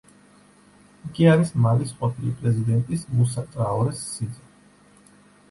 იგი არის მალის ყოფილი პრეზიდენტის მუსა ტრაორეს სიძე.